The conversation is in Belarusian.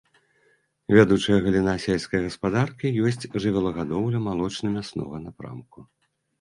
Вядучая галіна сельскай гаспадаркі ёсць жывёлагадоўля малочна-мяснога напрамку.